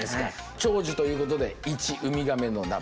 長寿ということで１「ウミガメの鍋」。